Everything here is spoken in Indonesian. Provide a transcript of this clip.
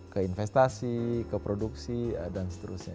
ke investasi ke produksi dan seterusnya